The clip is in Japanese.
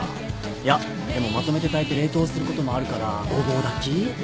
いやでもまとめて炊いて冷凍することもあるから５合炊き？